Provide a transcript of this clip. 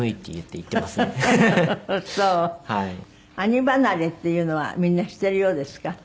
兄離れっていうのはみんなしているようですか？